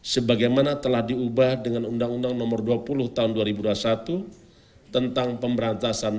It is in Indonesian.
sebagaimana telah diubah dengan undang undang nomor dua puluh tahun dua ribu dua puluh satu tentang pemberantasan